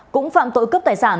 cũng phạm tội cướp tài sản